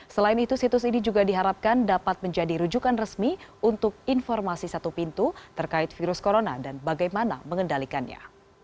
selain itu situs ini juga diharapkan dapat menjadi rujukan resmi untuk informasi satu pintu terkait virus corona dan bagaimana mengendalikannya